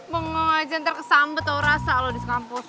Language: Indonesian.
pengen aja ntar kesampe tau rasa lo di sekampus